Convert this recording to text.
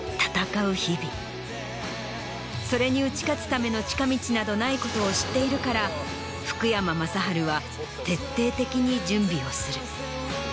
それに打ち勝つための近道などないことを知っているから福山雅治は。